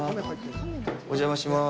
お邪魔しまー